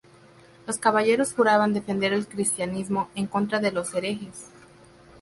Los caballeros juraban defender el cristianismo en contra de los herejes.